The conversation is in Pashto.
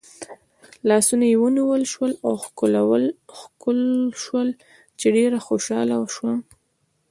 لاسونه یې ونیول شول او ښکل شول چې ډېره خوشحاله شوه.